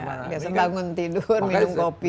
biasa bangun tidur minum kopi